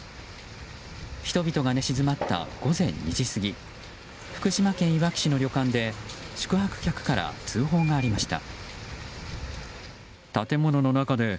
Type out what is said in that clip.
人々が寝静まった午前２時過ぎ福島県いわき市の旅館で宿泊客から通報がありました。